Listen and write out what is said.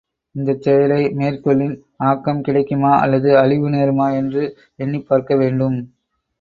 இந்தச் செயலை மேற்கொள்ளின், ஆக்கம் கிடைக்குமா அல்லது அழிவு நேருமா என்று எண்ணிப் பார்க்கவேண்டும்.